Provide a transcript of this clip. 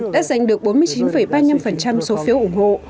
đã giành được bốn mươi chín ba mươi năm số phiếu ủng hộ